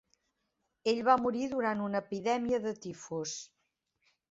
Ell va morir durant una epidèmia de tifus.